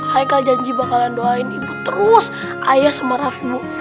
haikal janji bakalan doain ibu terus ayah sama rafmu